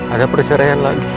ada persyaraan lagi